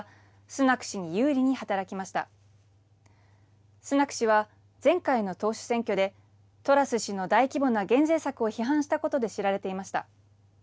スナク氏は、前回の党首選挙で、トラス氏の大規模な減税策を批判したことで知られていました。